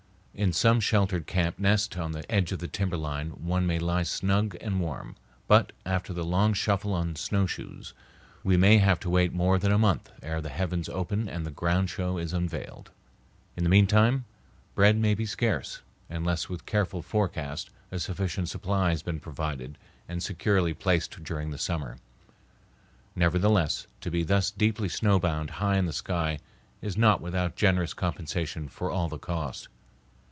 In some sheltered camp nest on the edge of the timberline one may lie snug and warm, but after the long shuffle on snowshoes we may have to wait more than a month ere the heavens open and the grand show is unveiled. In the mean time, bread may be scarce, unless with careful forecast a sufficient supply has been provided and securely placed during the summer. Nevertheless, to be thus deeply snowbound high in the sky is not without generous compensation for all the cost.